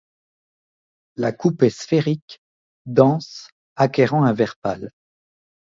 La coupe est sphérique, dense, acquérant un vert pâle.